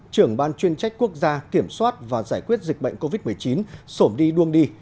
trưởng ban chuyên trách quốc gia kiểm soát và giải quyết dịch bệnh covid một mươi chín sổm đi đuông đi